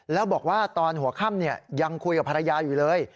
แล้วบอกว่าตอนหัวค่ำยังคุยกับภรรยาอยู่เลย